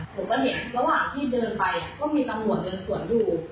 ผมก็เห็นระหว่างที่เดินไปก็มีตำรวจเดินสวนอยู่